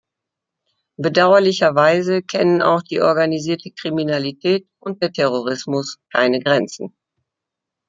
Bedauerlicherweise kennen auch die organisierte Kriminalität und der Terrorismus keine Grenzen.